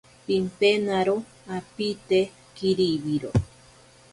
Pimpenaro apite kiribiro.